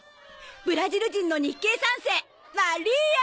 ブラジル人の日系３世マリア！